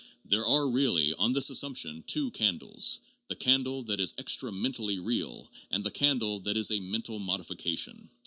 There are really, on this assumption, two candles: the candle that is extramentally real, and the candle that is a mental modification.